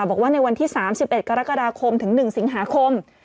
บอกว่าในวันที่๓๑กรกฎาคมถึง๑สิงหาคม